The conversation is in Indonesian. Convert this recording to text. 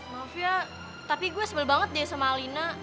maaf ya tapi gue sebel banget deh sama lina